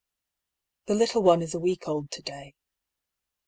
The little one is a week old to day.